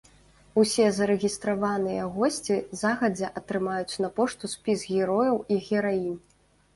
Усе зарэгістраваныя госці загадзя атрымаюць на пошту спіс герояў і гераінь.